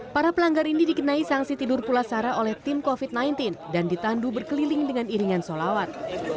para pelanggar ini dikenai sanksi tidur pulasara oleh tim covid sembilan belas dan ditandu berkeliling dengan iringan solawat